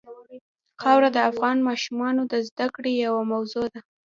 خاوره د افغان ماشومانو د زده کړې یوه موضوع ده.